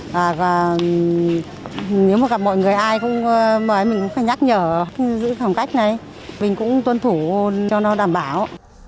và nếu mà gặp mọi người ai cũng mời mình cũng phải nhắc nhở giữ khoảng cách này mình cũng tuân thủ cho nó đảm bảo